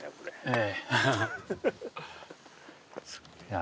ええ。